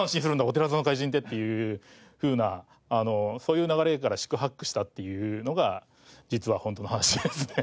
「お寺座の怪人」ってっていうふうなそういう流れから四苦八苦したっていうのが実はホントの話ですね。